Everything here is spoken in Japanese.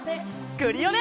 クリオネ！